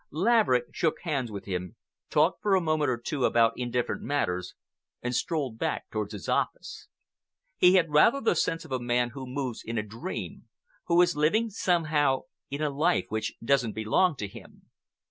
Laverick shook hands with him, talked for a moment or two about indifferent matters, and strolled back towards his office. He had rather the sense of a man who moves in a dream, who is living, somehow, in a life which doesn't belong to him.